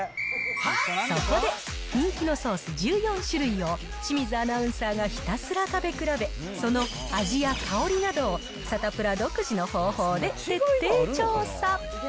そこで、人気のソース１４種類を清水アナウンサーがひたすら食べ比べ、その味や香りなどを、サタプラ独自の方法で徹底調査。